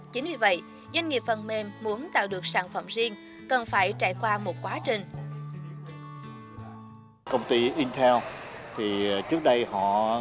chính vì vậy doanh nghiệp phần mềm muốn tạo được sản phẩm riêng cần phải trải qua một quá trình